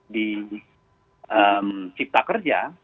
di cipta kerja